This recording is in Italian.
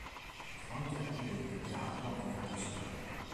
Fu anche attivo in teatro e nella poesia.